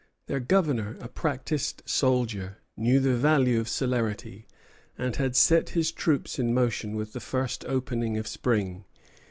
Their Governor, a practised soldier, knew the value of celerity, and had set his troops in motion with the first opening of spring.